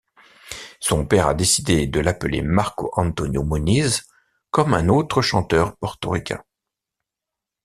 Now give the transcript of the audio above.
Son père a décidé de l'appeler Marco Antonio Muñiz, comme un autre chanteur portoricain.